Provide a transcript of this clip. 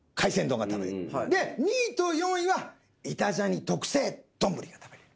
で２位と４位は『イタ×ジャニ』特製丼が食べれる。